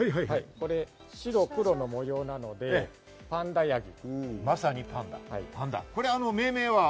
白黒の模様なので、パンダヤギ。